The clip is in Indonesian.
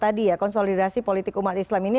tadi ya konsolidasi politik umat islam ini